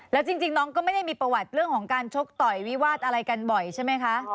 แล้วจริงน้องก็ไม่ได้มีประวัติเรื่องของการชกต่อยวิวาสอะไรกันบ่อยใช่ไหมคะ